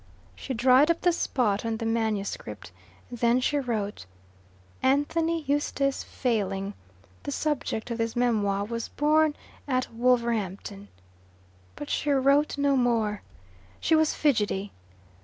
She dried up the spot on the manuscript. Then she wrote: "Anthony Eustace Failing, the subject of this memoir, was born at Wolverhampton." But she wrote no more. She was fidgety.